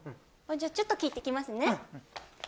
あっじゃあちょっと聞いてきますね。